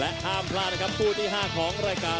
และอ้ามพลานะครับผู้ที่ห้าของรายการ